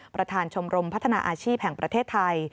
ประธานชมรมพัฒนาอาชีพแห่งประเทศไทย